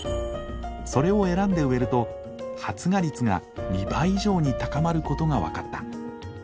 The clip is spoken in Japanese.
それを選んで植えると発芽率が２倍以上に高まることが分かった。